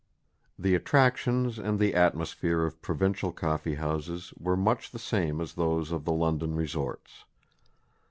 The attractions and the atmosphere of provincial coffee houses were much the same as those of the London resorts.